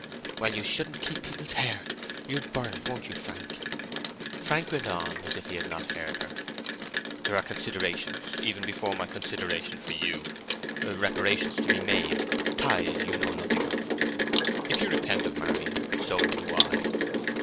"Well you shouldn't keep people's hair. You'll burn it, won't you, Frank?" Frank went on as if he had not heard her. "There are considerations even before my consideration for you; reparations to be made—ties you know nothing of. If you repent of marrying, so do I."